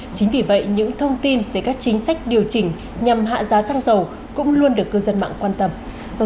chính vì vậy những thông tin về các chính sách điều chỉnh nhằm hạ giá xăng dầu cũng luôn được cư dân mạng quan tâm